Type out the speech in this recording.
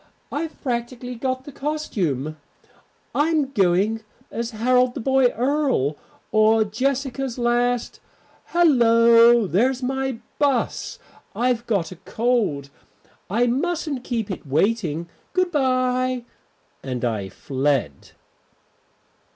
I've practically got the costume, I'm going as Harold the Boy Earl, or Jessica's last Hallo, there's my bus; I've got a cold, I mustn't keep it waiting. Good bye." And I fled.